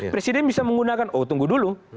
presiden bisa menggunakan oh tunggu dulu